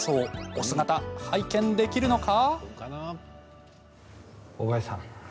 お姿、拝見できるのか？